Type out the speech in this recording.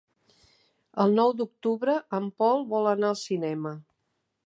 El nou d'octubre en Pol vol anar al cinema.